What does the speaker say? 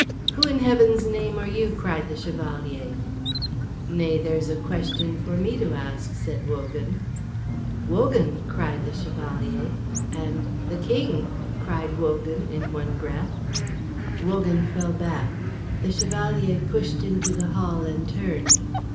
"Who, in Heaven's name, are you?" cried the Chevalier. "Nay, there's a question for me to ask," said Wogan. "Wogan!" cried the Chevalier, and "The King!" cried Wogan in one breath. Wogan fell back; the Chevalier pushed into the hall and turned.